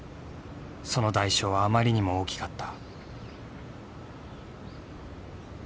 その代償はあまりにも大きかった。